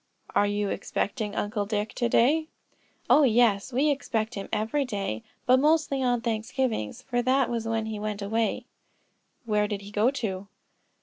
"Are you expecting Uncle Dick to day?" "Oh, yes; we expect him every day, but mostly on Thanksgivings, for it was then he went away." "Where did he go to?"